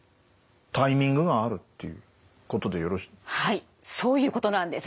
はいそういうことなんです。